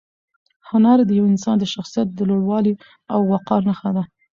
هنر د یو انسان د شخصیت د لوړوالي او وقار نښه ده.